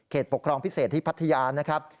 ปกครองพิเศษที่พัทยานะครับ